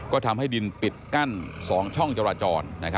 ก็ทำให้ดินปิดกั้น๒ช่องจราจร